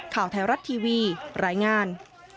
ข่าวไทยรัฐทีวีรายงาน